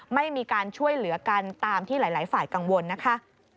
ไม่มีการช่วยเหลือกันตามที่หลายฝ่ายกังวลนะคะ